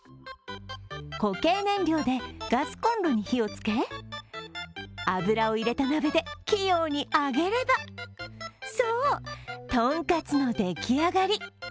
固形燃料でガスコンロに火をつけ、油を入れた鍋で器用に揚げればそう、とんかつのでき上がり。